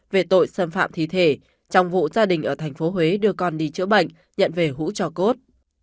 về tội xâm phạm thi thể trong vụ gia đình ở tp huế đưa con đi chữa bệnh nhận về hũ trò cốt